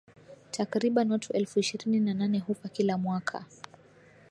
Takriban watu elfu ishirini na nane hufa kila mwaka